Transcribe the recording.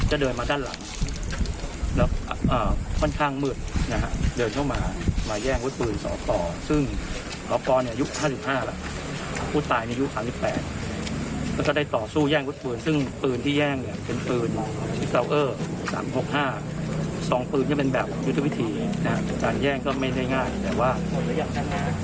หลังจากใช้นี้วิทยาลัยเป็นร่วมยูดปืนมาต่อบ้าน